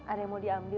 ada yang mau diambil